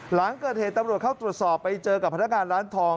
หลังเกิดเหตุตำรวจเข้าตรวจสอบไปเจอกับพนักงานร้านทอง